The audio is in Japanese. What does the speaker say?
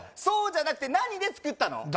そうじゃなくて何で作ったの？